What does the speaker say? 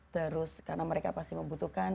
terus karena mereka pasti membutuhkan